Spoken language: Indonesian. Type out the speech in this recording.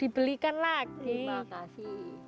di belikan lagi